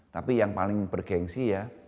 tapi yang paling bergensi ya